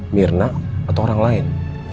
mirna atau orang lain